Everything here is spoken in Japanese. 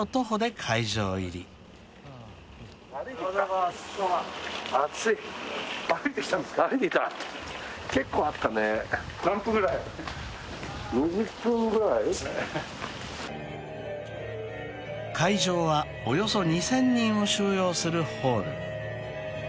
［会場はおよそ２，０００人を収容するホール］